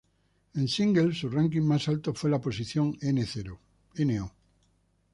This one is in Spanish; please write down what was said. En singles su ranking más alto fue la posición No.